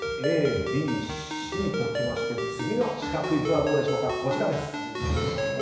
Ａ、Ｂ、Ｃときまして次のシカクイズはどうでしょうか。